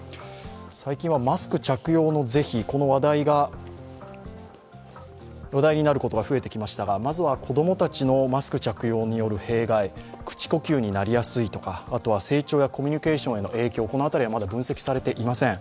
最近はマスク着用の是非、この話題になることが増えてきましたがまずは子供たちのマスク着用による弊害、口呼吸になりやすいとか、成長やコミュニケーションへの影響、この辺りはまだ分析されていません。